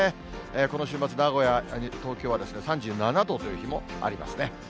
この週末、名古屋、東京は３７度という日もありますね。